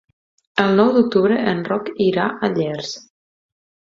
El nou d'octubre en Roc irà a Llers.